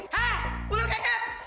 hah ular keket